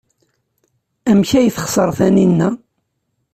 Amek ay texṣer Taninna?